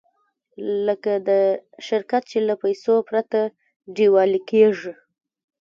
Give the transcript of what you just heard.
لکه د شرکت چې له پیسو پرته ډیوالي کېږي.